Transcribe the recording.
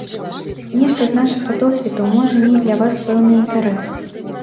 Нешта з нашага досведу можа мець для вас пэўны інтарэс.